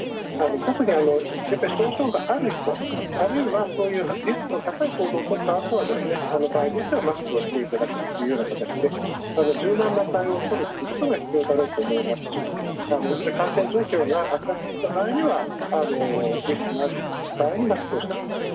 特に症状がある人、あるいはそういうリスクの高い行動をとったあとは場合によってはマスクをしていただくという形で柔軟な対応をとるということが必要だろうと思いますし感染状況が悪化してきた場合にはリスクのある場合にマスクをしていただく。